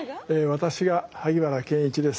私が萩原健一です。